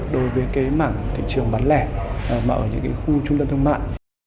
đối với cái mảng thị trường bán lẻ mà ở những khu trung tâm thương mại